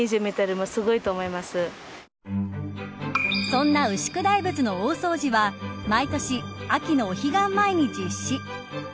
そんな牛久大仏の大掃除は毎年、秋のお彼岸前に実施。